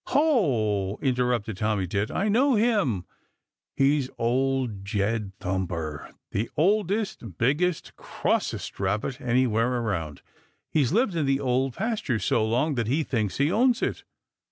"Ho!" interrupted Tommy Tit, "I know him. He's Old Jed Thumper, the oldest, biggest, crossest Rabbit anywhere around. He's lived in the Old Pasture so long that he thinks he owns it.